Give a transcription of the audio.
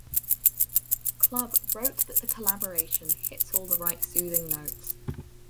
Club" wrote that the collaboration "hits all the right soothing notes.